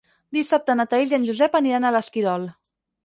Dissabte na Thaís i en Josep aniran a l'Esquirol.